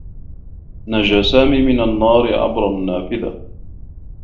نجى سامي من النّار عبر النّافذة.